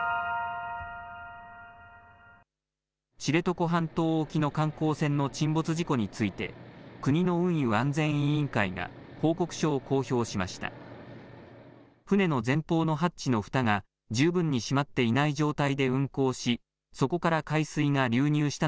知床半島沖の観光船の沈没事故について国の運輸安全委員会が報告書を公表しました。